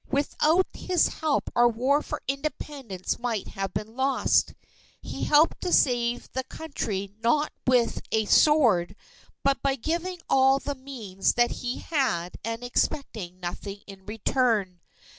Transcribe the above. Without his help our War for Independence might have been lost. He helped to save the Country not with a sword, but by giving all the means that he had and expecting nothing in return.